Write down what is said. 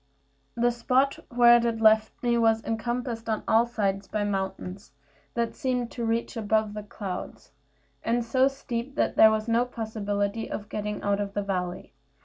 The spot where it left me was encompassed on all sides by mountains, that seemed to reach above the clouds, and so steep that there was no possibility of getting out of the valley.